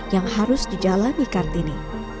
yang harus dijalani kartini